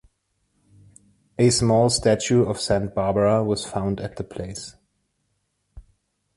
A small statue of Saint Barbara was found at the place.